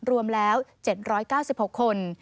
รวมแล้ว๗๙๖คน